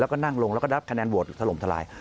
แล้วก็นั่งลงแล้วก็นับคะแนนโหวตถล่มทลาย